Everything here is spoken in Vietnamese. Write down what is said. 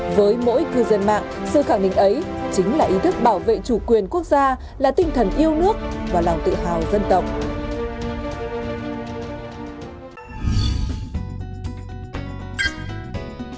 với mỗi cư dân mạng sự khẳng định mạnh mẽ chủ quyền dân tộc đặc biệt là chủ quyền của việt nam